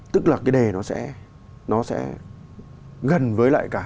tức là cái đề nó sẽ gần với lại cả